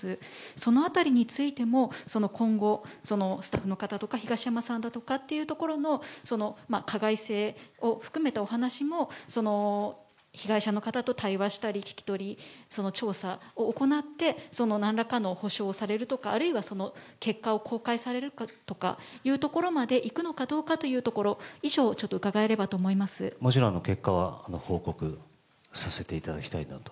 そのあたりについても、その今後、スタッフの方とか、東山さんだとかっていうところの、加害性を含めたお話も、被害者の方と対話したり、聞き取り、調査を行ってなんらかの補償をされるとか、あるいは結果を公開されるとかというところまでいくのかどうかというところ、以上、もちろん、結果は報告させていただきたいなと。